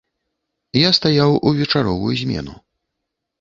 Я стаяў у вечаровую змену.